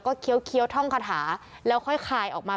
เป็นพระรูปนี้เหมือนเคี้ยวเหมือนกำลังทำปากขมิบท่องกระถาอะไรสักอย่าง